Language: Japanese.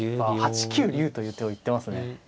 ８九竜という手を言ってますね。